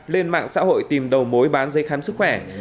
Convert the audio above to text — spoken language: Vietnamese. lên mạng xã hội tìm đầu mối bán dây khám sức khỏe